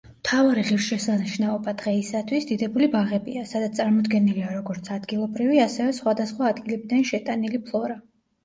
მთავარი ღირსშესანიშნაობა დღეისათვის დიდებული ბაღებია, სადაც წარმოდგენილია როგორც ადგილობრივი, ასევე სხვადასხვა ადგილებიდან შეტანილი ფლორა.